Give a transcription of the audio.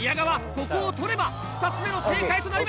ここを取れば２つ目の正解となります。